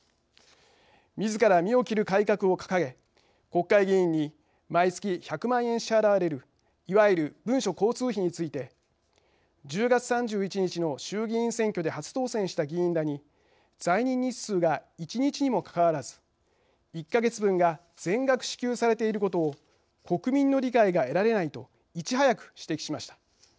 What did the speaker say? みずから身を切る改革を掲げ国会議員に毎月１００万円支払われるいわゆる文書交通費について１０月３１日の衆議院選挙で初当選した議員らに在任日数が１日にもかかわらず１か月分が全額支給されていることを国民の理解が得られないといち早く指摘しました。